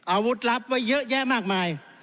อาวุธลับไว้เยอะแยะมากมาย